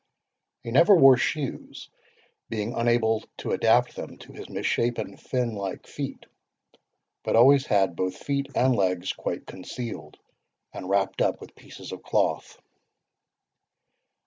He never wore shoes, being unable to adapt them to his mis shapen finlike feet, but always had both feet and legs quite concealed, and wrapt up with pieces of cloth.